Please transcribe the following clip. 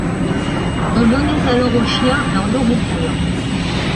On donnait alors aux chiens leur nourriture.